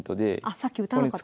さっき打たなかったから。